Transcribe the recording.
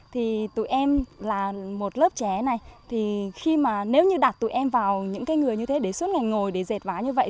thì tụi em là một lớp trẻ này thì khi mà nếu như đặt tụi em vào những cái người như thế để suốt ngày ngồi diệt vải như vậy